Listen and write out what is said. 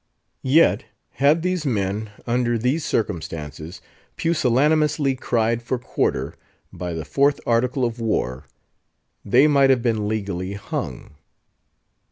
Yet had these men, under these circumstances, "pusillanimously cried for quarter," by the IV. Article of War they might have been legally hung.